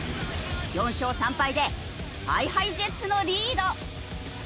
４勝３敗でＨｉＨｉＪｅｔｓのリード！